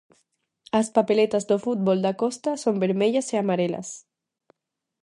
As papeletas do fútbol da Costa son vermellas e amarelas.